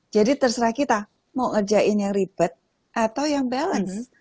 jadi terserah kita mau ngerjain yang ribet atau yang balance